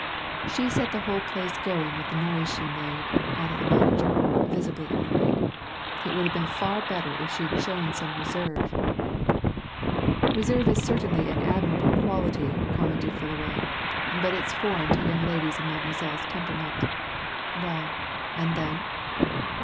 She set the whole place going with the noise she made," added the manager, visibly annoyed. "It would have been far better if she'd shown some reserve " "Reserve is certainly an admirable quality," commented Fullaway, "but it is foreign to young ladies of Mademoiselle's temperament. Well and then?"